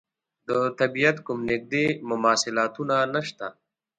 د طبعیت کوم نږدې مماثلاتونه نشته.